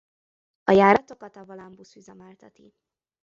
A járatokat a Volánbusz üzemelteti.